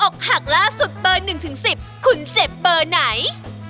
อกหักล่าสุดเบอร์หนึ่งถึงสิบคุณเจ็บเบอร์ไหน